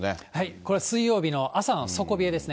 これは水曜日の朝の底冷えですね。